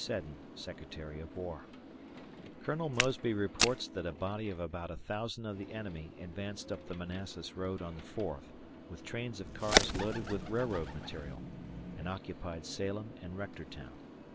Seddon, Secretary of War: Colonel Mosby reports that a body of about a thousand of the enemy advanced up the Manassas road on the 4th, with trains of cars loaded with railroad material, and occupied Salem and Rectortown.